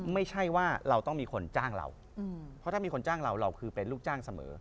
ไม่ใช่ว่าเราต้องมีคนจ้างเราเพราะถ้ามีคนจ้างเราเราคือเป็นลูกจ้างเสมอ